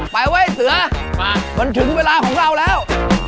ไว้เสือมามันถึงเวลาของเราแล้ว